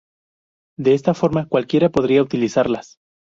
De esta forma cualquiera podría utilizarlas.